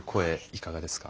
いかがですか？